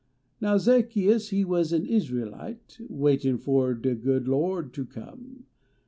Now Zaccheus he was an Israelite, Waitin fo de good Lo d ter come.